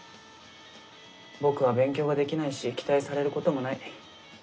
僕は勉強ができないし期待されることもない。